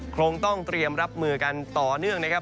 คงต้องเตรียมรับมือกันต่อเนื่องนะครับ